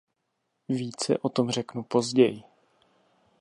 Více o tom řeknu později.